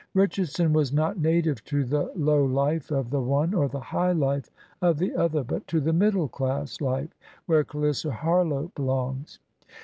'' Richardson was not native to the low life of the one or the high life of the other, but to the middle class life where Clarissa Harlowe belongs.